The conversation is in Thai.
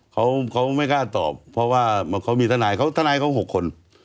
เขาไม่กล้าตอบเพราะว่าเขามีทนายเขาทนายเขา๖คน